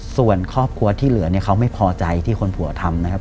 ส่วนครอบครัวที่เหลือเนี่ยเขาไม่พอใจที่คนผัวทำนะครับ